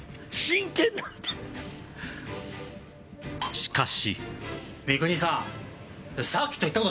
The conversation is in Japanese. しかし。